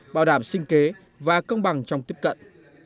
bảo đảm sinh kế và công bằng trong tiếp cận